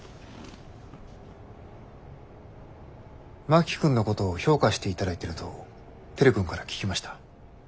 真木君のことを評価していただいてると照君から聞きました。